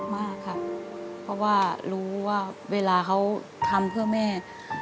มากครับเพราะว่ารู้ว่าเวลาเขาทำเพื่อแม่